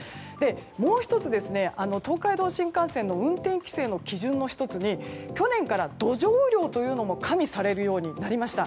もう１つ、東海道新幹線の運転規制の基準の１つに去年から土壌雨量というのも加味されるようになりました。